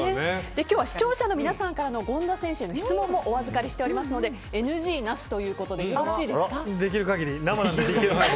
今日は視聴者の皆さんからの権田選手への質問もお預かりしておりますのでＮＧなしということで生で、できる限り。